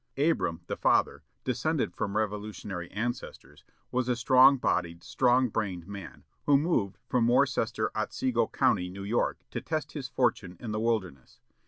Abram, the father, descended from Revolutionary ancestors, was a strong bodied, strong brained man, who moved from Worcester, Otsego County, New York, to test his fortune in the wilderness.